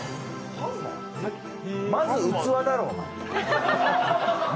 まず器だろ。